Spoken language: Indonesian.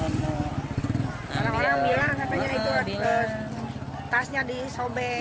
orang orang bilang tasnya disobek